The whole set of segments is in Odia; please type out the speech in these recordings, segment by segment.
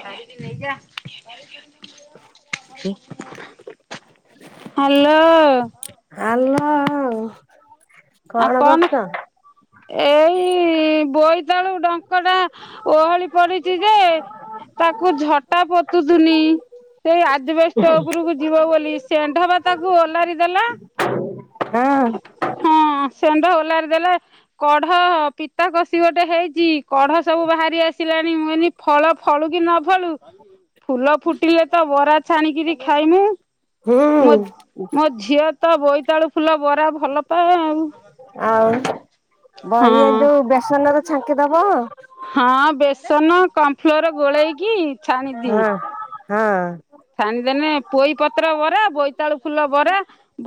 [unintelligible] ନେଇଜା। [unintelligible] ହ୍ୟାଲୋ। ହଉ। କଣ କରୁଛ? ଏଇ ବୋଇତାଳୁ ଡଙ୍କଟା ଓହଳି ପଡିଚି ଯେ ତାକୁ ଝଟା ପୋତୁଥୁନି। ସେଇ ଆଜବେଷ୍ଟ ଉପରକୁ ଯିବ ବୋଲି। ସେଣ୍ଡା ବା ତାକୁ ଓହ୍ଲାରି ଦେଲା। ହୁଁ। ଷେଣ୍ଡ ଓଲାରି ଦେଲେ କଢ ପିତା କଷି ଗୋଟେ ହେଇଚି କଢ ସବୁ ବାହାରି ଆସିଲାଣି ମୁଁ ଏନି ଫଳ ଫଳୁ କି ନ ଫଳୁ ଫୁଲ ଫୁଟିଲେତ ବରା ଛାଣିକିରି ଖାଇମୁ। ମୋ ହୁଁ ମୋ ଝିଅ ତ ବୋଇ ତାଳୁ ଫୁଲ ବରା ଭଲ ପା ଆଉ ବରି ଏ ହଁ ଯୋଉ ବେସନରେ ଛାଙ୍କି ଦବ। ହଁ ବେସନ କମଫ୍ଲୋର୍ ଗୋଳେଇକି। ହଁ ଛାଣିଦିଏଁ। ହଁ। ଛାଣିଦେନେ ପୋଇପତ୍ର ବରା, ବୋଇତାଳୁ ଫୁଲ ବରା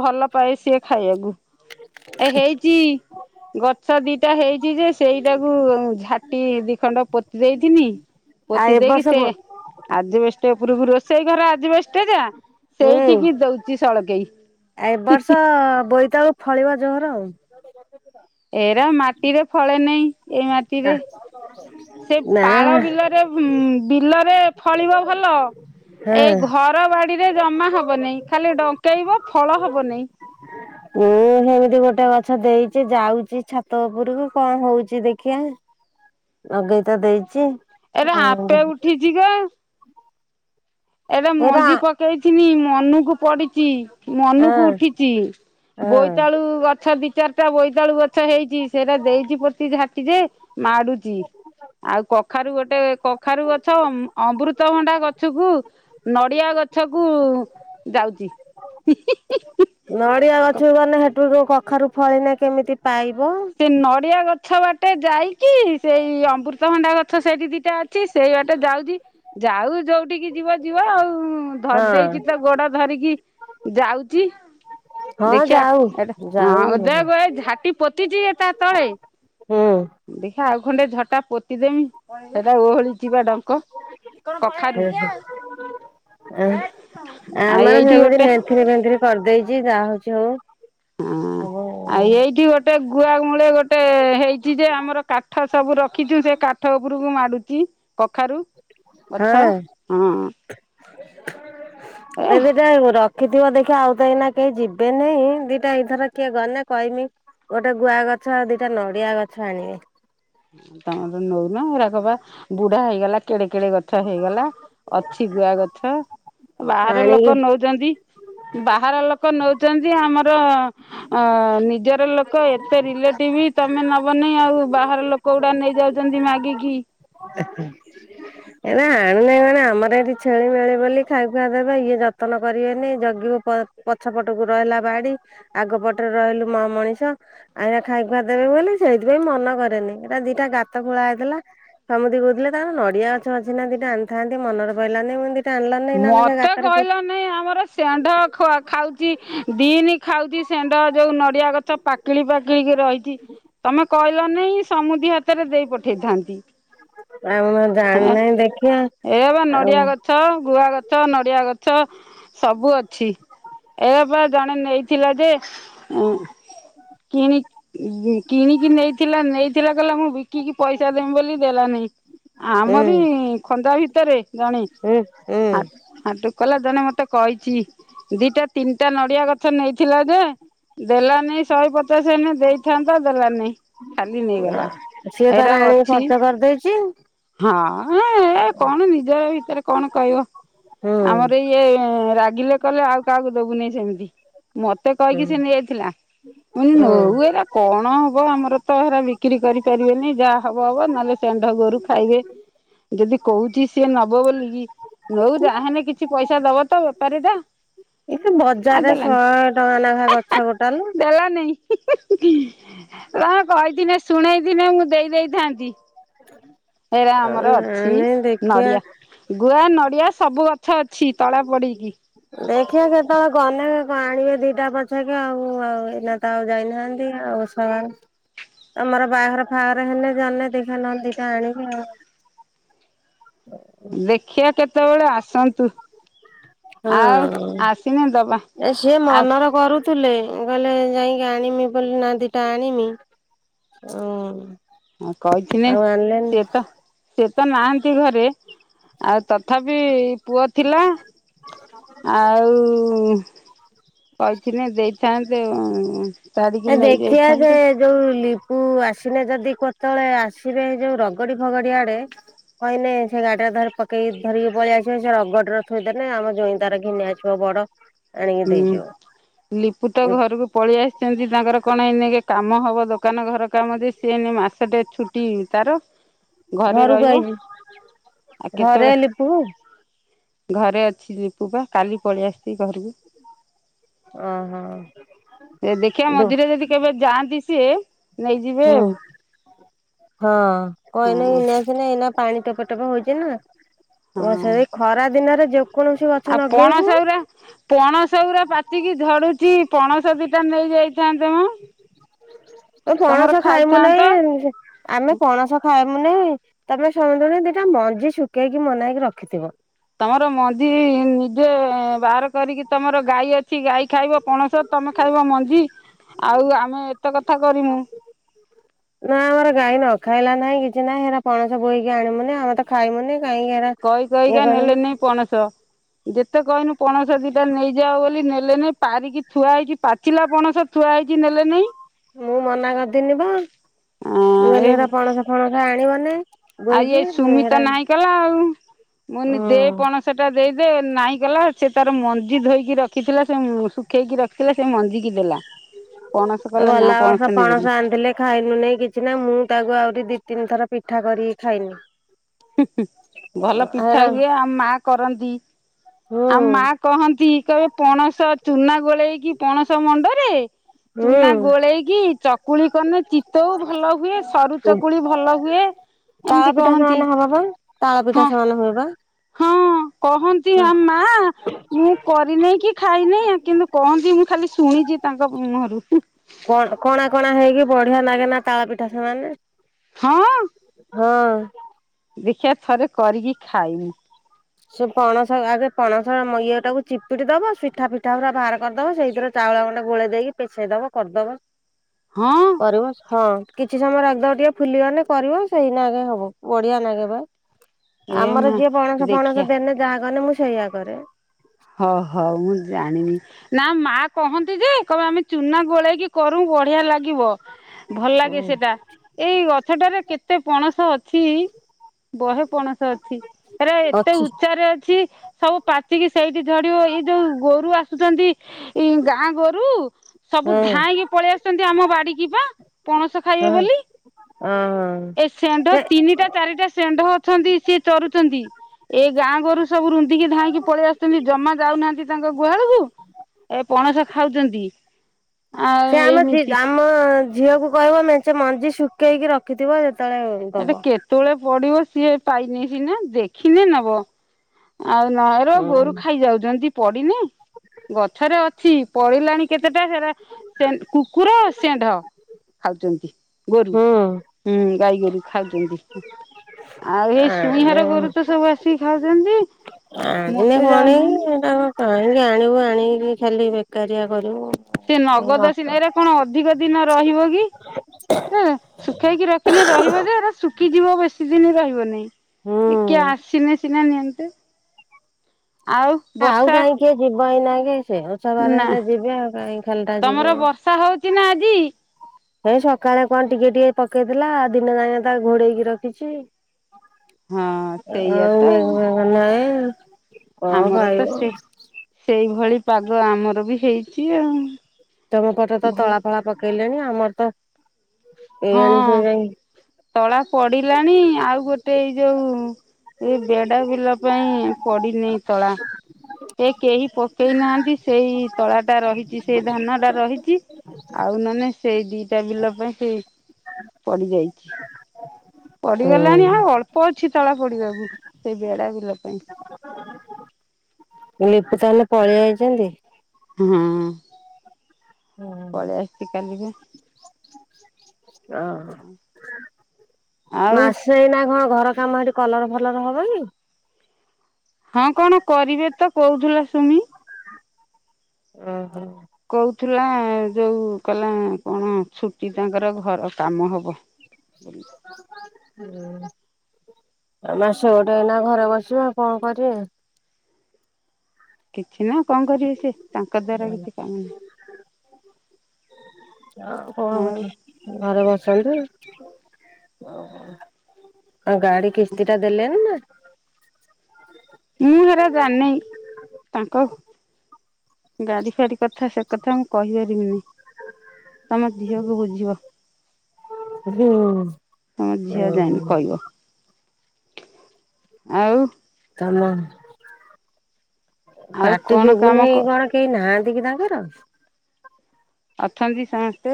ଭଲ ପାଏ ସିଏ ଖାଇବାକୁ, ଏ ହେଇଚି ଗଛ ଦିଟା ହେଇଚି ଯେ ସେଇଟାକୁ ଝାଟି ଦି ଖଣ୍ଡ ପୋତି ଦେଇଥିନି ଆଉ ପୋତି ଏ ଦେଇକି ବର୍ଷ ସେ ବୋ ଆଜବେଷ୍ଟ୍ ଟେ ଉପୁରୁକୁ ରୋସ୍ ସେଇ ଘର ଆଜବେଷ୍ଟ୍ ଟା। ହୁଁ। ସେଇଠିକି ଦଉ ଚି ସଳକେଇ। ଏ ବର୍ଷ ବୋଇ ତଳୁ ଫଳିବ ଜୋର ଆଉ। ଏରା ମାଟିରେ ଫଳେ ନେଇ। ଏଇ ମାଟିରେ, ସେଇ ନା ପାଳ ବିଲରେ ହୁଁ ବିଲରେ ଫଳିବ ଭଲ ହଁ ଏଇ ଘର ବାଡିରେ ଜମା ହବନେଇ। ଖାଲି ଡଙ୍କେଇବ। ଫଳ ହବନାଇଁ। ମୁଁ ହେମିତି ଗୋଟେ ଗଛ ଦେଇଛି ଯାଉଛି ଛାତ ଉପରକୁ କଣ ହଉଛି ଦେଖିିବା ଲଗେଇତ ଦେଇଛି। ଏରା ଆଉ ଆପେ ଉଠିଯିବ। ଏଟା ଏରା ମଞ୍ଜି ପକେଇଥିନି ମନୁକୁ ପଡ଼ିିଚି ମନକୁ ହଁ ଉଠିଛି ହଁ ବୋଇତାଳୁ ଗଛ ଦି ଚାରିଟା ବୋଇ ବୋଇତାଳୁ ଗଛ ହେଇଛି ସେଇଟା ଦେଇଛି ପୋତି ଝାଟି ଯେ ମାଡୁଛି। ଆଉ କଖାରୁ ଗୋଟେ କଖାରୁ ଗଛ ଅମୃତଭଣ୍ଡା, ଗଛକୁ ନଡିଆ ଗଛ କୁ ଯାଉଛି [inaudible] ନଡିଆ ଗଛକୁ ଗଲେ ହେଠୁ କଖାରୁ ଫଳିନା କେମିତି ପାଇବୁ ସେ ନଡିଆ ଗଛ ବାଟେ ଯାଇ କି ସେଇ ଅମୃତଭଣ୍ଡା ଗ ତ ସେଇଠି ଦି ଅଛି ସେଇ ବାଟେ ଯାଉଛି। ଯାଉ ଯୋଉଠିକି ଯିବ ଯିବ ଆଉ ଧରି ଦେଇଛି ହଁ। ତ ଗୋଡ ଧରିକି ଯାଉଛି। ହଁ ଦେଖିବା ଯାଉ ଏଟ ଯାଉ [unintelligible] ଝାଟି ପୋତ୍ ତା ତଳେ ହୁଁ ଦେଖା ଖଣ୍ଡେ ଝଟା ପୋତିଦେମି ସେଟା ଓହଳି ଚିପା ଡଙ୍କ କଖାରୁ [inaudible] ଆଉ ଆମର ଏଇଠି ସେମିତି ଗୋଟେ ନେନ୍ଥିରି ଫେନ୍ଥିରି କରିଦେଇଛି ଯାହା ହଉଛି ହଉ ହଁ ଆଉ ଏଇଠି ଗୋଟେ ଗୁଆ ଗୋଟେ ହେଇଛି ଯେ ଆମର କାଠ ସବୁ ରଖିଛୁ ସେ କାଠ ଉପରକୁ ମାଡୁଛି କଖାରୁ। ଗଛ ହଁ [inaudible] [unintelligible] ଏ ଦେଖିଥିବ ଦେଖିଆ ଆଉ ତ ଏଇନା କେହି ଯିବେନାହିଁ ଦିଟା ଏଇଥର କିଏ ଗଲେ କହିମି ଗୋଟେ ଗୁଆ ଗଛ ଆଉ ଦିଟା ନଡିଆ ଗଛ ଆଣିବେ। ତମର ନଉନ ଏରା କ ପା ବୁଢା ହେଇଗଲା କେଡେ କେଡେ ଗଛ ହେଇଗଲା। ଅଛି ଗୁଆ ଗଛ। ବାହାର ଆଣିକି ଲୋକ ନଉଛନ୍ତି ବାହାର ଲୋକ ନଉଛନ୍ତି। ଆମର ନିଜର ଲୋକ ଏତେ ରିଲେଟିବି ତମେ ନବନି ଆଉ ବାହାର ଲୋକ ଲୋକଗୁଡା ନେଇ ଯାଉଛନ୍ତି ମାଗିକି ଏ ଆଣୁନାହିଁ ମଣେ ଆମର ଏଇଠି ଛେଳି ମେଳେ ବୋଲି ଖାଇ ଖୁଆ ଦେବେ ଇଏ ଯତ୍ନ କରିବେନି ଜଗିବ ପଛ ପଟକୁ ରହିଲା ବାଡି ଆଗ ପଟରେ ରହିଲୁ ମା ମଣିଷ ଆଇନା ଖାଇ ଖୁଆ ଦେବେ ବୋଲି ସେଇଥିପାଇଁ ମନ କରେନି। ଏଟା ଦିଟା ଗାତ ଖୋଳା ହେଇଥିଲା ସମୁଦି କହୁଥିଲେ ତାର ନଡିଆ ଅଛି ନା ଦିଟା ଆଣିଥାନ୍ତି ମନରେ ପଇଲାନି ମୁଁ କହିଲି ମତେ କହିଲ ନେଇଁ ଆମର ଷେଣ୍ଢ ଖାଉଛି ଦିନି ଖାଉଛି ଷେଣ୍ଢ ଯୋଉ ନଡିଆ ଗଛ ପାକଳି ପାକଳିକି ରହିଛି ତମେ କହିଲ ନାଇଁ ସମୁଦି ହାତରେ ଦେଇ ପଠେଇଥାନ୍ତି। ଆଉ ମୁଁ ହେଁ ଜାଣିନାହିଁ ଦେଖିବା ଏ ବା ଆଉ ନଡ଼ିଆ ଗଛ। ଗୁଆ ଗଛ, ନଡ଼ିଆ ଗଛ ସବୁ ଅଛି ଏରାପା ଜଣେ ନେଇଥିଲା ଯେ କି କିଣିକି ନେଇଥିଲା ନେଇଥିଲା କହିଲ ମୁଁ ବିକିକି ପଇସା ଦେମି ବୋଲି ଦେଲାନି। ହୁଁ ଆମରି ଖଞା ଭିତରେ ଜଣେ। ହୁଁ ହୁଁ ହ ହାଠ କଲ ଜଣେ ମୋତେ ତେ କହିଛି ଦିଟା ତିନିଟା ନଡିଆ ଗଛ ନେଇ ଥିଲା ଯେ ଦେଲାନାଇ ଶହେ ପଚାଶ ହେନ ଦେଇଥାନ୍ତା ଦେଲାନାଇ ଖାଲି ନେଇଗଲା ସିଏ ତାର ଏରା ଆଣିକି ଅଛି ଖର୍ଚ୍ଚ କରିଦେଇଛି ହଁ କଣ ନିଜର ଭିତରେ କଣ କହିବ। ହୁଁ ଆମର ଇଏ ରା ଗିଲେ କଲେ ଆଉ କାହାକୁ ଦେବୁନି ସେମିତି। ମତେ ହୁଁ କହିକି ସେ ନେଇଯଥିଲା ମୁଁ ହୁଁ ନଉ ଏରା କଣ ହବ ଆମର ତ ଏରା ବ ବିକ୍ରି କରିପାରିବେନି ଯାହା ହବ ହବ ନହେଲେ ସେଣ୍ଢ ଗୋରୁ ଖାଇବେ ଯଦି କହୁଛି ସିଏ ନବ ବୋଲିକି ନଉ ଯ ହେଲେ କିଛି ପଇସା ଦବ ତ ବେପାରୀ ଟା। ଏ ବଜାରରେ ଶହେ ଟଙ୍କା ଲେଖା ଗଛ ଗୋଟା ଲୋ। [unintelligible] ର କହିଥିନେ ଶୁଣେଇଥିନେ ମୁଁ ଦେଇ ଦେଇେଇଥାନ୍ତି ଏରା ଆମର ଅଛି ନାଇଁ ଦେଖିଆ ନଡିଆ ଗୁଆ ନ ନଡିଆ ସବୁ ଦେଖିିବା କେତେବେଳେ ଗନେ ଆ ଆଣିବେ ଦିଟା ପଛେକେ ଆଉ ଆଉ ଏଇନା ତ ଆଉ ଯାଇନାହାନ୍ତି ଆଉ ସ ତମର ବାହାଘର ଫାଘରେ ହେଲେେ ଜେ ଦେଖା ନହନ୍ତି ଦିଟା ଆଣିବେ ଆଉ। ଦେଖିବା କେତେ କେତେବେଳେ ଆସନ୍ତୁ। ଆଉ ଆସିନେ ଦବା ହଁ ସିଏ ଆଉ ମନରେ କରୁଥିଲେ। ଗଲେ ଯାଇକି ଆଣମି ବୋଲି ନା ଦିଟା ଆଣମି ଓ ହଁ କହିଥିଲେ ସିଏ ତ ସେ ତ ନାହାନ୍ତି ଘରେ। ଆଉ ତଥାପି ପୁଅ ଥିଲା ଆଉ କହିଥିଲେି ଦେଇଥାନ୍ତେ। ତାରିକି ଏ ନେଇ ଦେଖିବା ଯେ ଯାଇଥାନ୍ତେ ଯୋଉ ଲିପୁ ଆସ ସିନେ ଯଦି କେତେବେଳେ ଆସିବେ ଯୋଉ ରଗଡି ଫଗଡି ଆଡେ କହିନେ ସେ ଗାଡି ଟା ଧ ପକେଇକ ଧରିକି ପଳଳିଆସିବ ସେ ରଗଡିର ଥୋଇଦେଲେ ଆମ ଜଇଁ ତାର ଘିନିଆ ଆସିବ ବଡ ଆଣିକି ହୁଁ ଦେଇଯିବ ଲିପୁ ତ ଘରକୁ ପଳେଇ ଆସିଛନ୍ତି ତାଙ୍କର କଣ ଏନେ ଟିକେ କାମ ହବ ଦୋକାନ ଘର କାମ ଦ ସିଏନ ମାସ ଟେ ଛୁଟି ତାର। ଘରେ ଘରକୁ ରହିବ ଆଇଛି ଆଉ ଘରେ କେତେବେଳେ ଲିପୁ। ଘରେ ଅଛି ଲିପୁ ବା କାଲି ପଳେଇ ଆସିଛି ଘରକୁ। ଓ ହୋ। ଦେଖିବା ମଝୀରେ ଯଦି କେବେ ଯାଆନ୍ତି। ସେ ହୁଁ ହଁ କ ନ ହଁ ଏସ ଏ ପାଣି ଟୋପ ଟୋପ ହଉଛି ନା। ହ ହଁ ସେ ଏଇ ଖରା ଦିନରେ ଯ ଆଉ ପଣସଉରା ପଣସଉରା ପାଚିକି ଝଡୁଛି। ପଣସଦି ଟା ନେଇଯାଇଛି। [unintelligible] ତ ପଣସ ଖାଇମୁ ନାଇଁ ଆମେ ପଣସ ଖାଇବା ମାନେ ତମେ ସମୁୁଦୁଣି ଦିଟା ମଞ୍ଜି ଶୁଖେଇକି ମୋନାକି ରଖିଥିବ। ତମର ମଞ୍ଜିି ନିଜେ ବାହାର କରିକି ତମର ଗାଈ ଅ କିଛି ଗାଈ ଖାଇବ ପଣସ ତମେ ଖାଇବ ମଞ୍ଜି ଆଉ ଆମେ ଏତେ କଥା କରିମୁ। ନା ଆମର ଗାଈ ନ ଖାଇଲା ନାହିଁ କିଛି ନାହିଁ ହେରା ପଣସ ବୋଇକି ଆଣିବୁନି ଆମେ ତ ଖାଇମୁନି। କାହିଁକି ହେରା କହି ଇଏ କହିକା କରିବୁ ନେଲେ ନାଇ ପଣସ। ଯେତେ କହିହନୁ ପଣସ ଦିଟା ନେଇଯାଉ ବୋଲି ନେଲେ ନାଇ ପାରିକି ଥୁଆ ହେଇଛି ପାଚିଲା ପଣସ ଥୁଆ ହେଇଛି ନେଲେ ନେଇ। ମୁଁ ମନା କରିଦିନି ବା। ମୁ କନି ଏ ହେରା ପଣସ ଫଣସ ଆଣିବନି। ଆଉ ଇଏ ବୋହିକି ହେରା ସୁମିତ ନାହିଁ କଲା ଆଉ। ମୁଁ କନି ଦେ ହୁଁ ପଣସ ଟା। ଦେଇଦେ ନାଇଁ କଲା ସେ ତାର ମଞ୍ଜି ଧୋଇକି ରଖିଥିଲା ସେ ଶୁଖେଇକି ରଖିଥିଲା ସେ ମଞ୍ଜିିକି ଦେଲା। ପଣସ କଲା ନା ଭଲା ବର୍ଷ ନେବେନି ପଣସ ଆଣିଥିଲେ ଖାଇନୁ ନାଇଁ କିଛି ନା ମୁଁ ତାକୁ ଆହୁରି ଦି ତିନି ଥର ପିଠା କରିକ ଖାଇନି। ହୁଁ ହଁ ଭଲ ପିଠା ହେରା ହୁଏ ଆମ ମା କ କରନ୍ତି। ହୁଁ ଆଉ ମା କହନ୍ତି କହେ ପଣସ ଚୁନା ଗୋଳେଇକି ପଣସ ମଣ୍ଡରେ ଚୁନା ହୁଁ ଗୋଳେଇକି ଚକୁଳି କନେ ଚିତ ଭଲ ହୁଏ ସରୁ ଚକୁଳି ଭଲ ହୁଏ ତାଳ ଏମିତି ପିଠା କହନ୍ତି ସମାନ ହବ ବା ତାଳ ପିଠା ହଁ ସମାନ ହୁଏ ବା। ହଁ କହନ୍ତି ହଁ ଆମ୍ ମା। ମୁଁ କରିନେଇ କି ଖାଇନି କିନ୍ତୁ କହନ୍ତି? ମୁଁ ଖାଲି ଶୁଣିଛି ତାଙ୍କ ମୁହଁରୁ। କଣା କଣା ହେଇକି ବଢିଆ ଲାଗେ ନା ତାଳ ପିଠା ସମାନେ। ହଁ [inaudible] ହଁ। ଆଜ୍ଞା [unintelligible] ଦେଖିବା ଥରେ କରିକି ଖାଇମି? ସେ ପଣସ ଆଗେ ପଣସ ଇଏଟାକୁ ଚିପିଟି ଦବ। ସିଠା ଫିଠା ପୁରା ବାହାର କରିଦବ। ସେଇଥିରେ ଚାଉଳ ଗଣ୍ଡେ ଗୋଳେଇ ଦେଇକି ପେସେଇ ଦବ କରିଦବ। ହଁ [inaudible] କରିବ ହଁ। କିଛି ସମୟରେ ରଖିଦବ ଟିକେ ଫୁଲିବନି କରିବ। ସେଇନାଗେ ହବ ବଢିଆ ଲାଗେ ବା। ଏ ଆମର ମା ଯିଏ ପଣସ ପଣସ ଦେନେ ଯହାକାନେ ମୁଁ ସେଇଆ କରେ। ହଁ ହଉ ମୁଁ ଜାଣିନି। ନା ମା କହନ୍ତିଯେ କହିବେ ଆମେଚୁନା ଗୋଳେଇକି କରୁ ବଢିଆ ଲାଗ ଭଲଲାଗେ ହୁଁ ସେଟା ଏଇ ଗଛଟାରେ କେତେ ପଣସ ଅଛି। ବହେ ପଣସ ଅଛି ଏରା ଏତେ ଅଛି। ଉଚ୍ଚାରେ ଅଛି। ସବୁ ପାଚିକି ସେଇଠି ଝଡିବ ଏଇ ଯୋଉ ଗୋରୁ ଆସୁଛନ୍ତି। ଏଇ ଗାଁ ଗୋରୁ ସବୁ ହଁ ଧାଇଁକି ପଳେଇଆସିଛନ୍ତି ଆମ ବାଡିିକିପା ପଣସ ଖାଇବେ ହଁ ବୋଲି। ହଁ। ଏ ସେଣ୍ଢ ସେ ତିନିଟା ଚାରିଟା ସେଣ୍ଢ ଅଛନ୍ତି ସେ ଚରୁଛନ୍ତି ଏ ଗାଁ ଗରୁ ସବୁ ରୁନ୍ଧିକି ଧାଇଁକି ପଳେଇ ଆସୁ ଅଛନ୍ତି ଜମା ଯାଉନାହାନ୍ତି ତାଙ୍କ ଗୁହାଳକୁ ଏ ପଣସ ଖାଉଛନ୍ତି। ଆଉ ସେ ଆମ ଜି ଏମିତି ଆମ ଝିଅକୁକହିବ ମେଞ୍ଚେ ମଞ୍ଜି ଶୁଖେଇକି ରଖିଥିବ। କେତେବେଳେ ଦବ। ପଡ଼ିବ ସିଏ ପାଇନେ ସିନା ଦେଖିନେ ନବ। ଆଉ ନା ର ହୁଁ। ଗୋରୁ ଖାଇଯାଉଛନ୍ତି ପଡିିନି ଗଛରେ ଅଛି। ପଡିଲାଣି କେତେଟା ହେରା ସେ କୁକୁର ସେଣ୍ଢ ଖାଉଛନ୍ତି। ଗୋରୁ ହୁଁ। ହୁଁ ଗାଈଗୋରୁ ଖାଉଛନ୍ତି। ଆଉ ଏଇ ଶୁଇଁ ଆଣେ ହର ଗୋରୁତ ସବୁ ଆସି ଖାଉଛନ୍ତି। ଆଣିଲେ ମୋଟେ ଯାଉନାହାନ୍ତି। କଣକି ତାଙ୍କ କାହିଁକି ଆଣିବ ଆଣିକି ଖାଲି ବେକାରିଆ କରି ସେ ନଗଦ ସିନା ଏରାକଣ ଅଧିକ ଦିନ ରହିବକି ଶୁଖେଇକି ରଖିନେ ରହିବ ଯେ ଶୁଖିଯିବ ବେଶୀ ଦିନ ହୁଁ। ରହିବନାଇଁ କିଏ ଆସିନା ସିନା ନିଅନ୍ତା। ଇ ଆଉ ବର୍ଷା ଭାଇ ନାହିଁକି ସେ ଓଷାବାରେ ନା ହେଲେ ଯିବେ ଆଉ କାହିଁ ଖାଲିଟା ତମର ଯିବେ ବର୍ଷା ହଉଛି ନା ଆଜି? ହଉ ସକାଳେ କଣ ଟିକେ ଟିକେ ପକେଇଥିଲା ଦିନ ଯାକ ତ ଘୋଡେଇକି ହଁ ରଖିଛିଯ ସେଇଆ ତ ଆଉ ନାଇଁ ହଁ ଆମର ତ ସେ ସେଇଭଳି ପାଗ ଆମର ବି ହେଇଛି। ଆଉ ତମ ପଟରେ ତ ଭଲ ତଳା ଫଳା ପକେଇଲେଣି ଆମର ତ ହଁ ଏଇଆଣି ସେ ଯାଇ ତଳା ପଡିଲାଣି ଆଉ ଗୋଟେ ଏଇ ଯୋଉ ଏ ବେଡା ବିଲା ପାଇଁ ପଡିିନି ତଳା ଏ କେହି ପକେଇ ନାହାନ୍ତି ସେଇ ତଳା ଟା ରହିଚି ସେଇ ଧାନଟା ରହିଚି ଆଉ ନହେନେ ସେଇ ଦିଇଟା ବିଲ ପାଇଁ ସେଇ ପଡିଯାଇଚି ପଡିଗଲାଣି ହୁଁ ଆଉ ଅଳ୍ପ ଅଛି ତଳା ପଡିବାକୁ ସେଇ ବେଡା ବିଲା ପାଇଁ। ଲିପୁ ତାହେଲେ ପଳେଇ ଆଇଚନ୍ତି? ହୁଁ। ଆଉ ଅ ଆଉ ମାସେ ଏଇନା କଣ ଘର ଆମ ଆଡେ କଲର ଫଲର ହବକି? ହଁ କଣ କରିବେ ତ କୋହୁଥିଲା। [unintelligible] ଓହୋ। କୋଉଥିଲା ଯୋଉ କହିଲା କଣ ଛୁଟି ତାଙ୍କର ଘର କାମ ହବ। ହୁଁ। ଆ ମାସ ଗୋଟେ ଏଇନା ଘରେ ବସିବ ଆଉ କଣ କରିବା? କିଛି ନା କଣ କରିବେ ସେ? ତାଙ୍କ ଦ୍ବାରା କିଛି କାମ ନାହିଁ। ଆଉ କଣ କଥା ଘରେ ବ [unintelligible] ଆଉ ଗାଡି କିସ୍ତିଟା ଦେଲେନି ନା ମୁଁ ହେରା ଜାନି ତାଙ୍କ ଗାଡି ଫାଡ଼ି କଥା ସେ କଥା ମୁଁ କହିପାରିବିନି ତମ ଝିଅକୁ ବୁଝିବ। ହୁଁ ତମ ଝିଅ ଯାଇନି ହଁ। କହିବ ଆଉ। [unintelligible] ଆଉ ପାଟି କଣ କାମ ଶୁଭୁନି କଣ କେହି ନାହାନ୍ତି? [unintelligible] ତାଙ୍କର ଅଛନ୍ତି ସମସ୍ତେ।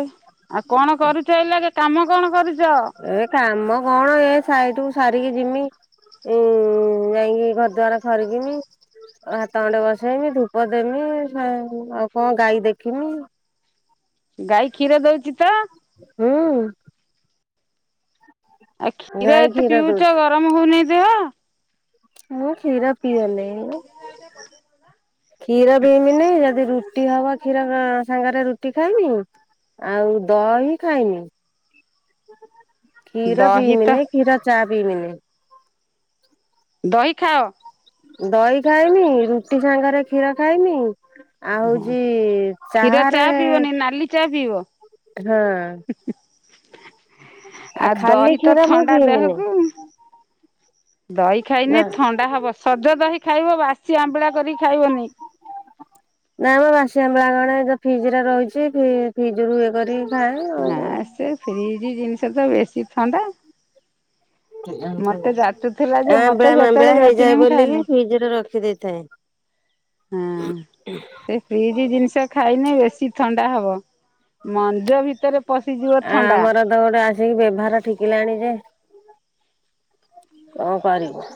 ଆଉ କଣ କରୁଛ ଏଲା କେ କାମ କଣ କରୁଛ? ଏ କାମ କଣ ଏ ସାଇଟକୁ ସାରିକି ଯିମି ଉ ଯାଇକି ଘର ଦ୍ୱାର ଖରିକମି ହାତ ଗଣ୍ଡେ ବସେଇମି ଧୂପ ଦେମି ଆଉ କଣ ଗାଈ ଦେଖିମି। ଗାଈ କ୍ଷୀର ଦଉଛି ତ? ହୁଁ। ଆଉ କ୍ଷୀର ଗାଈ ଏତେ ଦଉଚି। ପିଉଛ ଗରମ ହଉନି ଦେହ। ହଁ [unintelligible] କ୍ଷୀର ପିଇଦେଲେ କ୍ଷୀର ପିଇବିନି ଯଦି ରୁଟି। ରୁଟି ହବ କ୍ଷୀର ସାଙ୍ଗରେ ରୁଟି ଖାଇମି ଆଉ ଦହି ଖାଇମି। କ୍ଷୀର ଦହି ତ ପିଇମି ନାଇଁ କ୍ଷୀର ଚା ପିବିନି। ଦହି ଖାଅ। ଦହି ଖାଇନି ରୁଟି ସାଙ୍ଗରେ କ୍ଷୀର ଖାଇନି। ଆଉ ହଉଛି କ୍ଷୀର ଚାହାରେ। ଚା ପିଇବନି ନାଲି ଚା ପିଇବ ହଁ। ଆଉ ଖାଲି ଦହି ତ କ୍ଷୀର ମୁଁ ଥଣ୍ଡା ପିଇମିନି ଦେହକୁ। ଦହି ନା। ଖାଇନି ଥଣ୍ଡା ହବ ସଜ ଦହି ଖାଇବ ବା। ବେସି ଆମ୍ବିଳା କରିକି ଖାଇବନି। ନା ବା ବାସି ଆବିଳା କଣ ଏ ଫ୍ରିଜ ରେ ରହିଛି ଫ୍ରିଜ ରୁ ଇଏ କରି ହଁ ସେ ଫ୍ରିଜ୍। ଫ୍ରିଜ ଜିନିଷ ତ ବେଶୀ ଥଣ୍ଡା। ମତେ ଯାଚୁଥିଲା ଯେ ମତେ ଆମ୍ବିଳା ମାମ୍ବିଳା ଯେତେବେଳେ ଯାଚି ହେଇଯାଏ ମୁ ବୋଲିକି ଖାଇନି ଫ୍ରିଜରେ ରଖି ଦେଇଥାଏ। ହ ସେ ଫ୍ରିଜ ଜିନିଷ ଖାଇନି ବେଶୀ ଥଣ୍ଡା ହବ। ମଞ୍ଜ ଭିତରେ ପଶିଯିବ ଆ ଥଣ୍ଡା। ଆମର ତ ଗୋଟେ ଆସିକି ବ୍ୟବହାର ଠିକିଲାଣି ଯେ। କଣ କରିବୁ?